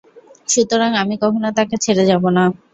সুতরাং আমি কখনো তাঁকে ছেড়ে যাব না।